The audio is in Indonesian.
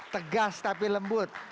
tegas tapi lembut